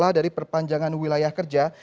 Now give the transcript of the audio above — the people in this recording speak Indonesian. ada kendala dari perpanjangan wilayah kerja